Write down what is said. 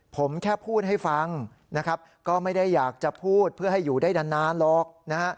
ผมแค่พูดให้ฟังนะครับก็ไม่ได้อยากจะพูดเพื่อให้อยู่ได้นานหรอกนะฮะ